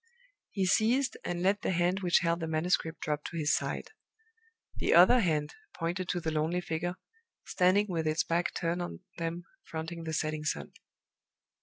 He ceased, and let the hand which held the manuscript drop to his side. The other hand pointed to the lonely figure, standing with its back turned on them, fronting the setting sun.